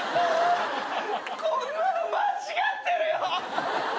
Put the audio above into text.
こんなの間違ってるよ！